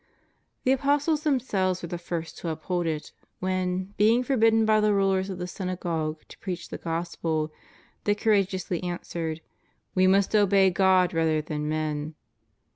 The apostles them selves were the first to uphold it, when, being forbidden by the rulers of the Synagogue to preach the Gospel, they com ageously answered, We must obey God rather than men.